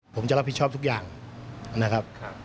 ผมจะรับผิดชอบทุกอย่างนะครับ